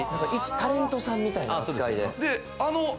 タレントさんみたいな扱いで。